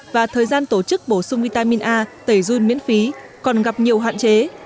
và thời gian tổ chức bổ sung vitamin a tẩy dun miễn phí còn gặp nhiều hạn chế